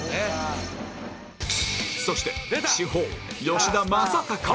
そして主砲吉田正尚